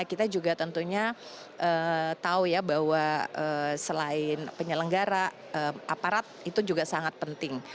kita juga tentunya tahu ya bahwa selain penyelenggara aparat itu juga sangat penting